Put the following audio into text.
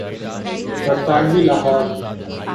برطانوی لاہور۔